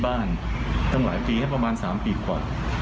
การพูดกลายกลายกันนะครับ